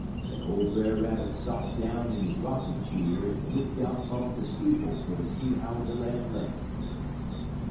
Den ole Brer Rabbit sot down in he rockin' cheer en lookt out fum de steeple fer ter see how de lan' lay.